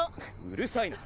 うるさいな。